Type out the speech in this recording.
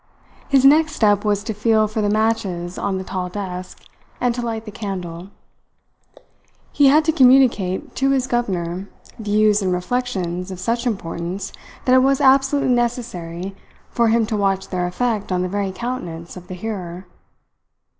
His next step was to feel for the matches on the tall desk, and to light the candle. He had to communicate to his governor views and reflections of such importance that it was absolutely necessary for him to watch their effect on the very countenance of the hearer.